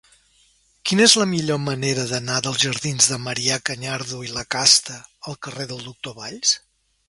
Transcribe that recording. Quina és la millor manera d'anar dels jardins de Marià Cañardo i Lacasta al carrer del Doctor Valls?